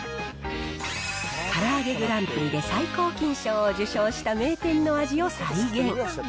からあげグランプリで最高金賞を受賞した名店の味を再現。